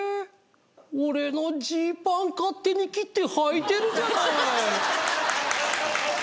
俺のジーパン勝手に切ってはいてるじゃなーい！